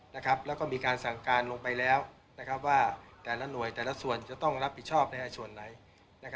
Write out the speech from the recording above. แล้วก็มีการสั่งการลงไปแล้วว่าแต่ละหน่วยแต่ละส่วนจะต้องรับผิดชอบในส่วนไหน